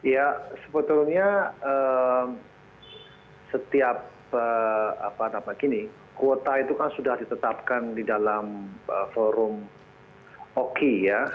ya sebetulnya setiap kuota itu kan sudah ditetapkan di dalam forum oki ya